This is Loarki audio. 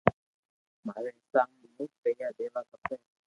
ماري حيساب مون پيئا ديوا کپي